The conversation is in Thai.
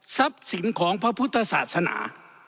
ทรัพย์สินของพพุทธศาสนา